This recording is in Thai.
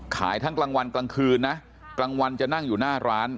ขายทั้งกลางวันกลางคืนนะกลางวันจะนั่งอยู่หน้าร้าน